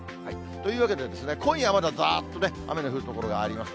というわけで、今夜、まだざーっと雨の降る所があります。